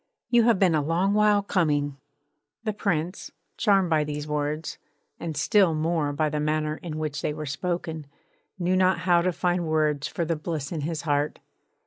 'You have been a long while coming!' The Prince, charmed by these words, and still more by the manner in which they were spoken, knew not how to find words for the bliss in his heart.